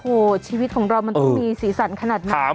โอ้โหชีวิตของเรามันต้องมีสีสันขนาดนั้น